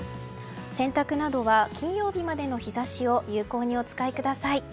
洗濯などは金曜日までの日差しを有効にお使いください。